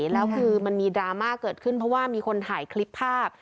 แล้วคือมันมีดราม่าเกิดขึ้นเพราะว่ามีคนถ่ายคลิปภาพ